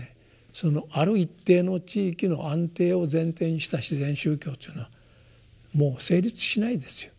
そのある一定の地域の安定を前提にした自然宗教というのはもう成立しないですよ。